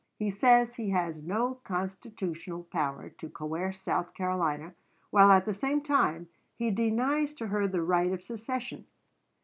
He says he has no constitutional power to coerce South Carolina, while at the same time he denies to her the right of secession.